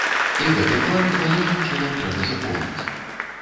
І гэты бланк належным чынам трэба запоўніць.